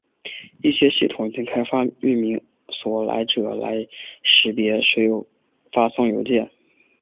一些系统已经开发域名所有者来识别谁可以发送邮件。